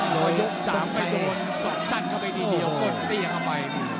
โหยก๓ไปดูลน๒สั้นเข้าไปทีเดียวต้นตี้เข้าไป